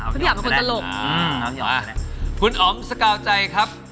อ๋อพี่อ๋อมเป็นคนตลกอ๋อพี่อ๋อมกันแหละคุณอ๋อมสกาวใจครับ